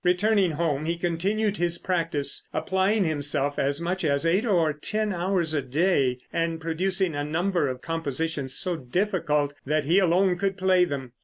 Returning home, he continued his practice, applying himself as much as eight or ten hours a day, and producing a number of compositions so difficult that he alone could play them.